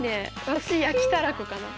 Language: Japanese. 私焼きたらこかな。